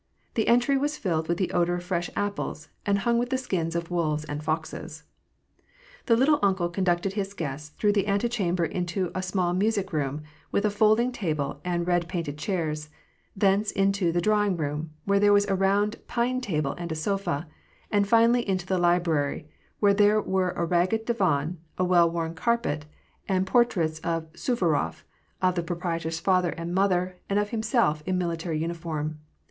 The entry was filled with the odor of fresh apples, and hung with the skins of wolves and foxes. The " little uncle " conducted his guests through the ante chamber into a small music room, with a folding table and red painted chairs ; thence into the drawing room, where there were a round pine table and a sofa; and finally into the library, where there were a ragged divan, a well worn carpet, and por traits of Suvorof, of the proprietor's father and mother, and of himself, in military uniform.